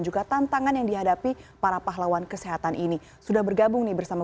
juga tantangan yang dihadapi para pahlawan kesehatan ini sudah bergabung nih bersama